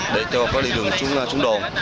để cho có đi đường xuống đồn